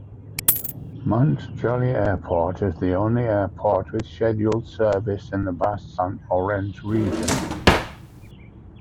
Mont-Joli Airport is the only airport with scheduled service in the Bas-Saint-Laurent region.